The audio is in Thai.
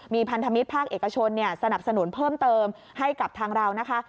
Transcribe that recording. มีพันธมิตรภาคเอกชนสนับสนุนเพิ่มเติมให้กับทางเรานะคะ